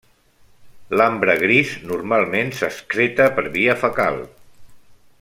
L'ambre gris normalment s'excreta per via fecal.